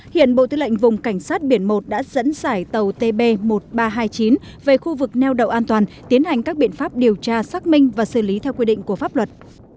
hiện bộ tư lệnh vùng cảnh sát biển một đã dẫn dải tàu tb một nghìn ba trăm hai mươi chín về khu vực neo đậu an toàn tiến hành các biện pháp điều tra xác minh và xử lý theo quy định của pháp luật